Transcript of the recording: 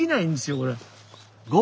これ。